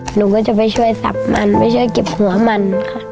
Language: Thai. หนูก็จะไปช่วยสับมันไปช่วยเก็บหัวมันค่ะ